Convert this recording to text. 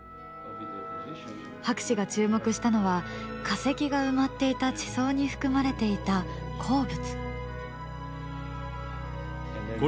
博士が注目したのは化石が埋まっていた地層に含まれていた鉱物。